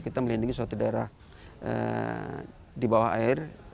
kita melindungi suatu daerah di bawah air